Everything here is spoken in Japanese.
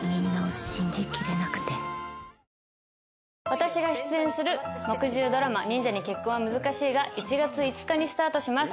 私が出演する木１０ドラマ『忍者に結婚は難しい』が１月５日にスタートします。